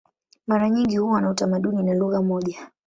Mara nyingi huwa na utamaduni na lugha moja.